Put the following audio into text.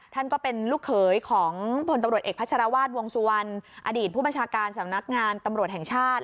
ท่านก็เป็นลูกเขยของพลตำรวจเอกพัชรวาสวงสุวรรณอดีตผู้บัญชาการสำนักงานตำรวจแห่งชาติ